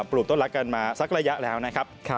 ปลูกต้นรักกันมาสักระยะแล้วนะครับ